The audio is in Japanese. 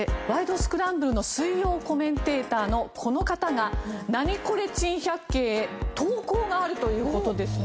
スクランブル』の水曜コメンテーターのこの方が『ナニコレ珍百景』へ投稿があるという事ですね。